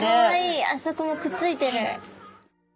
あそこもくっついてる。